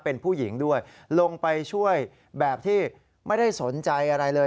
เป็นผู้หญิงด้วยลงไปช่วยแบบที่ไม่ได้สนใจอะไรเลย